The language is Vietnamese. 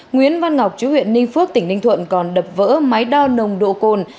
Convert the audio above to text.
nguyễn văn ngọc chú huyện ninh phước tỉnh ninh thuận còn đập vỡ máy đo nồng độ cồn